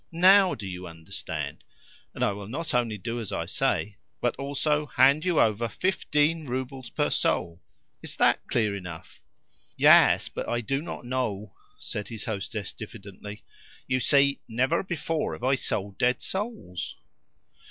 NOW do you understand? And I will not only do as I say, but also hand you over fifteen roubles per soul. Is that clear enough?" "Yes but I do not know," said his hostess diffidently. "You see, never before have I sold dead souls."